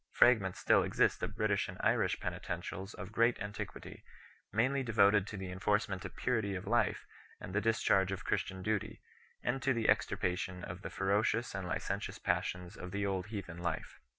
Fragments still exist of British and Irish penitentials of great antiquity, mainly devoted to the enforcement of purity of life and the discharge of Christian duty, and to the extirpation of the ferocious . and licentious passions of the old heathen life.